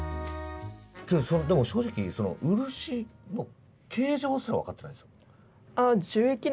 正直漆の形状すら分かってないです。